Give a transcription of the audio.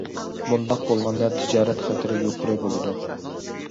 بۇنداق بولغاندا تىجارەت خەتىرى يۇقىرى بولىدۇ.